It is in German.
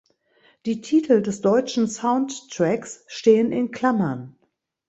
Die Titel des deutschen Soundtracks stehen in Klammern.